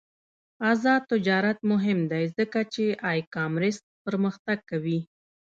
آزاد تجارت مهم دی ځکه چې ای کامرس پرمختګ کوي.